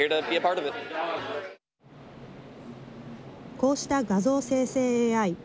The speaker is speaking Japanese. こうした画像生成ＡＩ。